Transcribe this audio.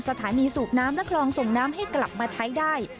สถานีสูบน้ำและคลองส่งน้ำให้กลับมาใช้ได้